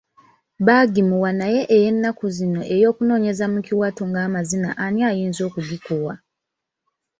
Baagimuwa naye ey'ennaku zino ey'okunoonyeza mu kiwato ng'amazina ani ayinza okugikuwa?